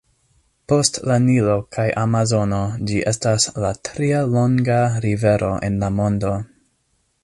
Post la Nilo kaj Amazono, ĝi estas la tria longa rivero en la mondo.